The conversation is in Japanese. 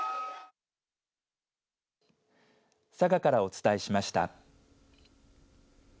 佐賀からお伝えしました。